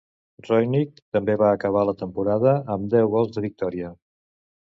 Roenick també va acabar la temporada amb deu gols de victòria.